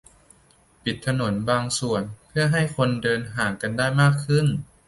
- ปิดถนนบางส่วน เพื่อให้คนเดินห่างกันได้มากขึ้น